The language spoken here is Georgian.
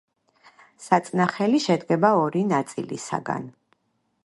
საწნახელი შედგება ორი ნაწილისაგან.